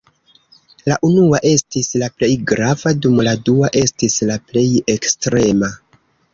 La unua estis la plej grava dum la dua estis la plej ekstrema.